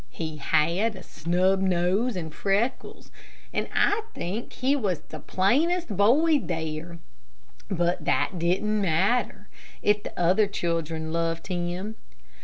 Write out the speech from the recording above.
He had a snub nose and freckles, and I think he was the plainest boy there, but that didn't matter, if the other children loved him.